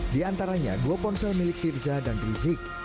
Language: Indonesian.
di antaranya dua ponsel milik firza dan rizik